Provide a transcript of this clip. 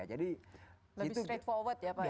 lebih straight forward ya pak ya